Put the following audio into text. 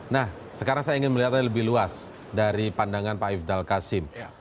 nah sekarang saya ingin melihatnya lebih luas dari pandangan pak ifdal kasim